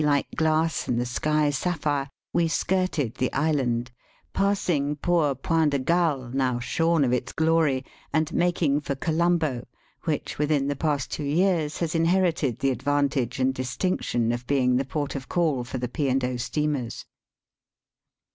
like glass and the sky sapphire, we skirted the island, passing poor Point de Galle, now shorn of its glory, and making for Colombo, which within the past two years has inherited the advantage and distinction of being the port of call for the P. and 0. steamers.